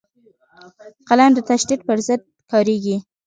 قلم د تشدد پر ضد کارېږي